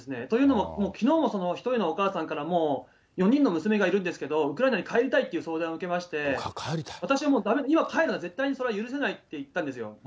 というのも、きのうもその１人のお母さんから４人の娘がいるんですけど、ウクライナに帰りたいという相談を受けまして、私はもう、今帰るのは絶対にそれは許せないって言ったんですよ。